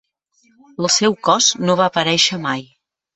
El seu cos no va aparèixer mai.